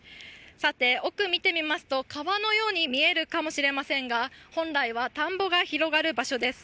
奥を見てみますと、川のように見えるかもしれませんが、本来は田んぼが広がる場所です。